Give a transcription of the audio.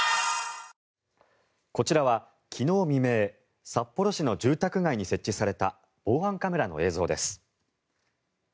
こちらは昨日未明札幌市の住宅街に設置された防犯カメラの映像です。